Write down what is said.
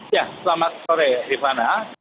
ya selamat sore rifana